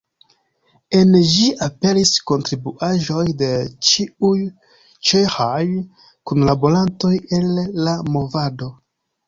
En ĝi aperis kontribuaĵoj de ĉiuj ĉeĥaj kunlaborantoj el la movado.